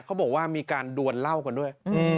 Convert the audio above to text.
เขาบอกว่ามีการดวนเหล้ากันด้วย